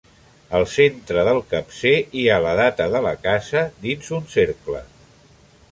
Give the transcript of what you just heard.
Al centre del capcer hi ha la data de la casa dins un cercle.